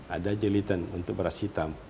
ada jelitan untuk beras hitam